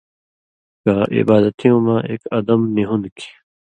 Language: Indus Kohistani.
کہ عِبادتیوں مہ ایک اَدم نی ہون٘د کھیں